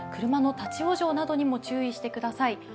車の立往生などにも注意をしてください。